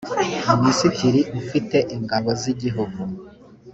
minisitiri ufite ingabo z’igihugu